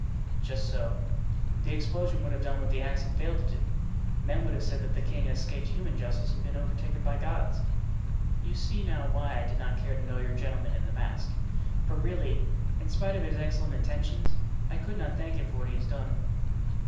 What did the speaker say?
"Just so. The explosion would have done what the axe had failed to do. Men would have said that the king had escaped human justice and been overtaken by God's. You see now why I did not care to know your gentleman in the mask; for really, in spite of his excellent intentions, I could not thank him for what he has done."